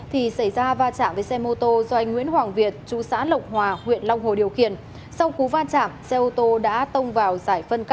thì xảy ra va chạm với xe mô tô do anh nguyễn quốc tâm